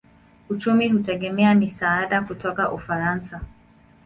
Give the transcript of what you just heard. Uchumi hutegemea misaada kutoka Ufaransa.